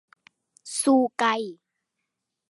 ชูไก